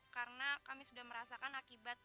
karena kami sudah merasakan akibat